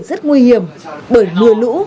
rất nguy hiểm bởi mưa lũ